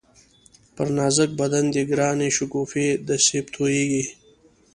پر نازک بدن دی گرانی شگوفې د سېب تویېږی